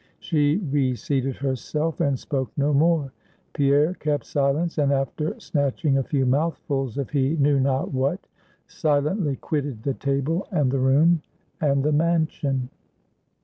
She reseated herself, and spoke no more. Pierre kept silence; and after snatching a few mouthfuls of he knew not what, silently quitted the table, and the room, and the mansion.